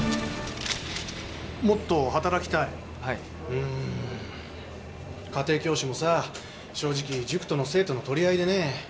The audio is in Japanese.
うん家庭教師もさ正直塾との生徒の取り合いでね。